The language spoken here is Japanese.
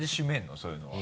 そういうのは。